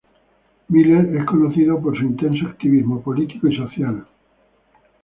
Miller es conocido por su intenso activismo político y social.